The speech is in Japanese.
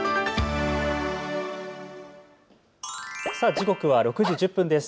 時刻は６時１０分です。